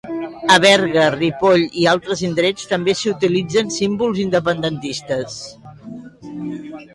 A Berga, Ripoll i altres indrets, també s'hi utilitzen símbols independentistes.